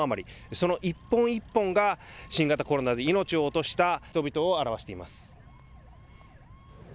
その一本一本が、新型コロナで命を落とした人々を表しています。